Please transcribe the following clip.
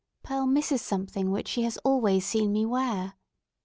Pearl misses something that she has always seen me wear!"